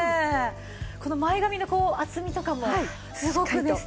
この前髪の厚みとかもすごくね素敵ですね。